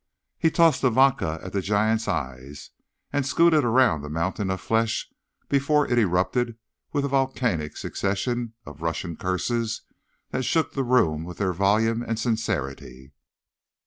He tossed the vodka at the giant's eyes, and scooted around the mountain of flesh before it erupted with a volcanic succession of Russian curses that shook the room with their volume and sincerity.